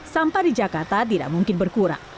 sampah di jakarta tidak mungkin berkurang